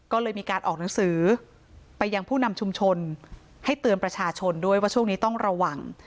ก็เลยมีการออกหนังสือไปยังผู้นำชุมชนให้เตือนประชาชนด้วยว่าช่วงนี้ต้องระวัง